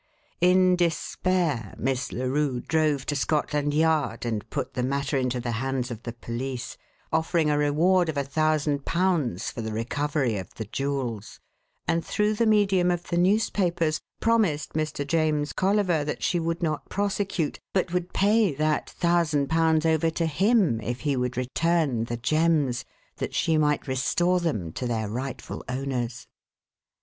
In despair, Miss Larue drove to Scotland Yard and put the matter into the hands of the police, offering a reward of £1,000 for the recovery of the jewels; and through the medium of the newspapers promised Mr. James Colliver that she would not prosecute, but would pay that £1,000 over to him if he would return the gems, that she might restore them to their rightful owners.